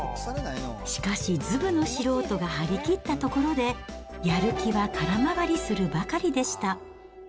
しかし、ずぶの素人が張りきったところで、やる気は空回りするばかりでした。